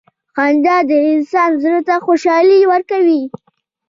• خندا د انسان زړۀ ته خوشحالي ورکوي.